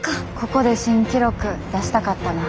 ここで新記録出したかったな。